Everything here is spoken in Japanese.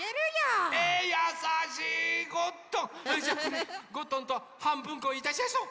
それじゃあこれゴットンとはんぶんこいたしやしょう！